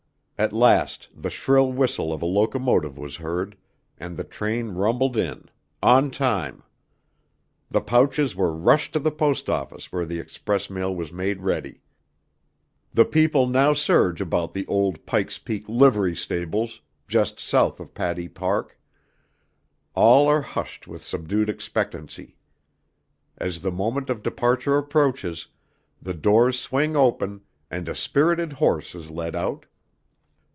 At last the shrill whistle of a locomotive was heard, and the train rumbled in on time. The pouches were rushed to the post office where the express mail was made ready. The people now surge about the old "Pike's Peak Livery Stables," just South of Pattee Park. All are hushed with subdued expectancy. As the moment of departure approaches, the doors swing open and a spirited horse is led out.